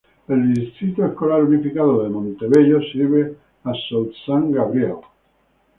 El Distrito Escolar Unificado de Montebello sirve a South San Gabriel.